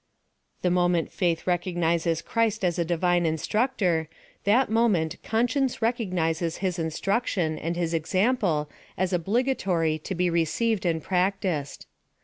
The moment faith recog nises Christ as a divine instructor, that moment con science recognises his instruction and his example as obligatory to be received and practiced.